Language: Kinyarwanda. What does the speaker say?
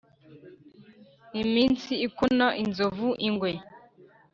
Iminsi ikona inzovu (ingwe).